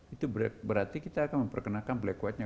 itu berarti kita akan memperkenalkan black whitenya